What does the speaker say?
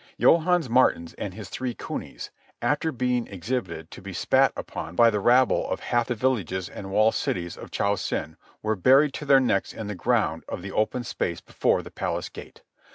Johannes Maartens and his three cunies, after being exhibited to be spat upon by the rabble of half the villages and walled cities of Cho Sen, were buried to their necks in the ground of the open space before the palace gate.